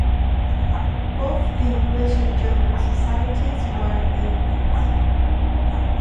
Both the English and German societies were evident.